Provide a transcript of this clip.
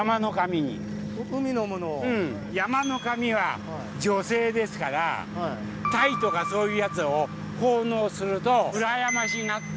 山の神は女性ですからタイとかそういうやつを奉納するとうらやましがって。